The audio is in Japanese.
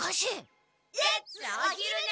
レッツおひるね！